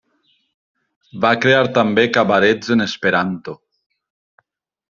Va crear també cabarets en esperanto.